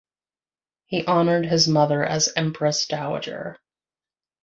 He honored his mother as Empress Dowager.